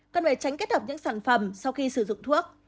cần phải tránh kết hợp những sản phẩm sau khi sử dụng thuốc